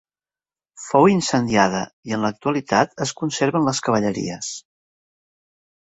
Fou incendiada i en l'actualitat es conserven les cavalleries.